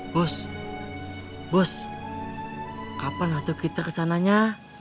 bos bos kapan waktu kita kesananya